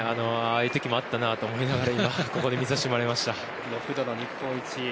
ああいう時もあったなと思ってここで見させてもらいました。